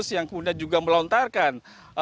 yang kemudian juga melontarkan